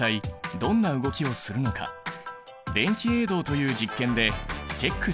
電気泳動という実験でチェックしよう！